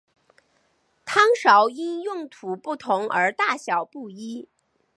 汤勺因用途不同而大小不一。